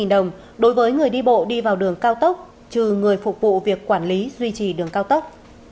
đối với người đi bộ đi vào đường cao tốc trừ người phục vụ việc quản lý duy trì đường cao tốc